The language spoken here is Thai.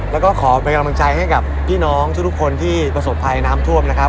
แล้วก็ขอเป็นกำลังใจให้กับพี่น้องทุกคนที่ประสบภัยน้ำท่วมนะครับ